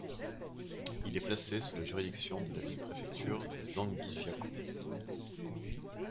Il est placé sous la juridiction de la ville-préfecture de Zhangjiakou.